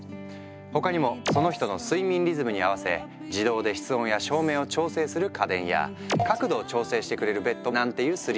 他にもその人の睡眠リズムに合わせ自動で室温や照明を調整する家電や角度を調整してくれるベッドなんていうスリープテックも。